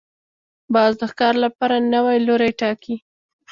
باز د ښکار لپاره نوی لوری ټاکي